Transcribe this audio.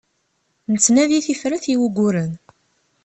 Nettnadi tifrat i wuguren.